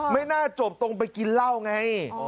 ไม่น่าจบตรงไปกินเหล้าไง